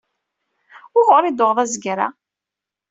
Wuɣur i d-tuɣeḍ azger-a?